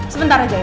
sebentar aja ya